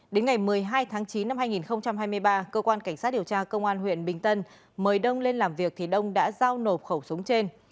đến ngày một mươi hai tháng chín năm hai nghìn hai mươi ba cơ quan cảnh sát điều tra công an huyện bình tân mời đông lên làm việc thì đông đã giao nộp khẩu súng trên